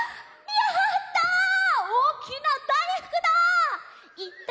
やった！